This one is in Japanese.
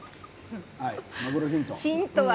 ヒントは？